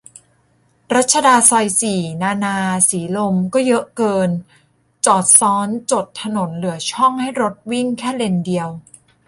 รัชดาซอยสี่ นานา สีลม ก็เยอะเกิน จอดซ้อนจดถนนเหลือช่องให้รถวิ่งแค่เลนเดียว